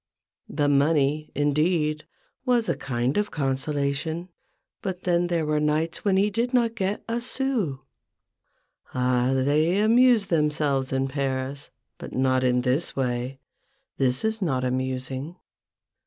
The money, indeed, was a kind of consolation ; but then there were nights when he did not get a sou. Ah ! they amuse themselves in Paris, but not in this way — this is not amusing.